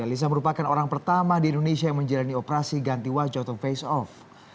lisa merupakan orang pertama di indonesia yang menjalani operasi ganti wajah atau face off